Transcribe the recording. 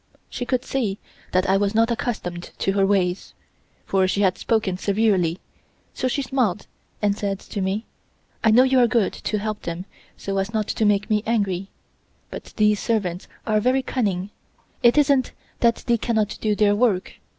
She could see that I was not accustomed to her ways, for she had spoken severely, so she smiled and said to me: "I know you are good to help them so as not to make me angry, but these servants are very cunning. It isn't that they cannot do their work.